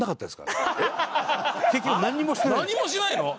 何もしないの？